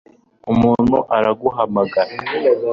Umuntu araguhamagara